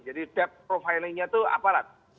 jadi depth profilingnya itu aparat